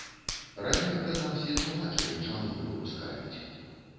Раней, прынамсі, тлумачылі, чаму не выпускаюць.